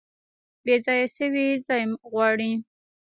بیځایه شوي ځای غواړي